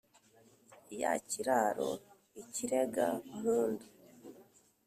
ya kiraro ikirega-mpundu.